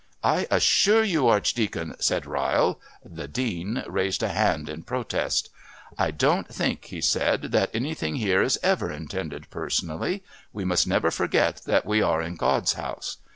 "I assure you, Archdeacon,..." said Ryle. The Dean raised a hand in protest. "I don't think," he said, "that anything here is ever intended personally. We must never forget that we are in God's House.